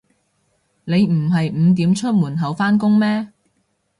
你唔係五點出門口返工咩